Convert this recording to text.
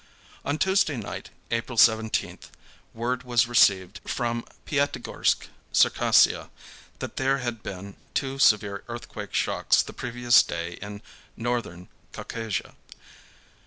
On Tuesday night, April 17th, word was received from Piatigorsk, Circassia, that there had been two severe earthquake shocks the previous day in Northern Caucasia.